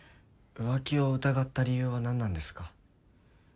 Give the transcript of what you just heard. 浮気を疑った理由は何なんですか？